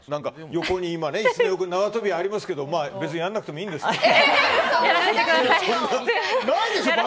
横に今、縄跳びありますけど別にやらなくてもいいですけど。